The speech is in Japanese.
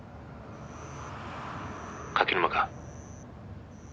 「柿沼か？」